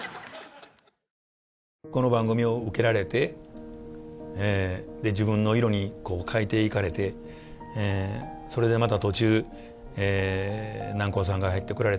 この番組を受けられて自分の色に変えていかれてそれでまた途中南光さんが入ってこられたりして。